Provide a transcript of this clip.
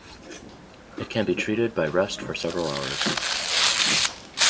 It can be treated by rest for several hours.